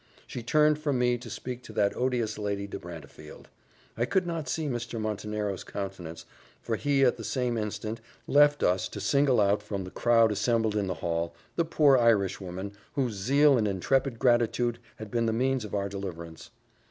She turned from me to speak to that odious Lady de Brantefield. I could not see Mr. Montenero's countenance, for he, at the same instant, left us, to single out, from the crowd assembled in the hall, the poor Irishwoman, whose zeal and intrepid gratitude had been the means of our deliverance.